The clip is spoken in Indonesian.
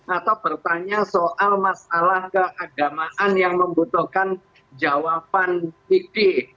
atau bertanya soal masalah keagamaan yang membutuhkan jawaban fikih